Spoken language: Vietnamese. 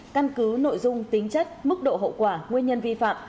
căn cứ nội dung tính chất mức độ hậu quả nguyên nhân vi phạm